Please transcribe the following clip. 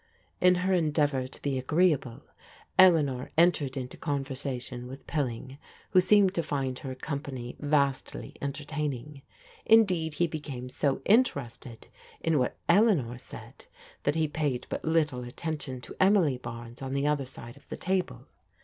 In her endeavour to be agreeable Eleanor entered into conversation with Pilling, who seemed to find her com pany vastly entertaining. Indeed, he became so inter ested in what Eleanor said that he paid but little atten tion to Emily Barnes on the other side of the table.